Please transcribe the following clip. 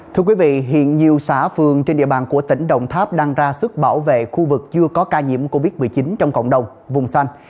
thưa quý vị hiện nhiều xã phường trên địa bàn của tỉnh đồng tháp đang ra sức bảo vệ khu vực chưa có ca nhiễm covid một mươi chín trong cộng đồng vùng xanh